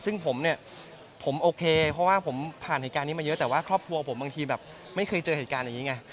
ซึ่งผมเนี่ยผมโอเคเพราะว่าผมผ่านเหตุการณ์นี้มาเยอะแต่ว่าครอบครัวผมบางทีแบบไม่เคยเจอเหตุการณ์อย่างนี้ไง